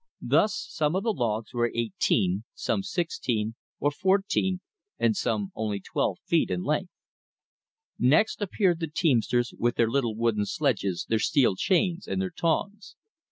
Thus some of the logs were eighteen, some sixteen, or fourteen, and some only twelve feet in length. Next appeared the teamsters with their little wooden sledges, their steel chains, and their tongs.